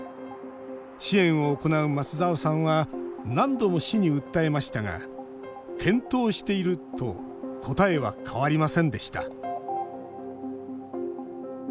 支援を行う松澤さんは何度も市に訴えましたが検討していると答えは変わりませんでした。